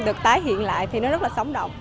được tái hiện lại thì nó rất là sống động